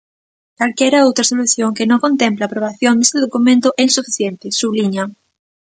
Calquera outra solución que non contemple a aprobación deste documento é insuficiente, subliña.